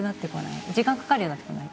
時間かかるようになってこない？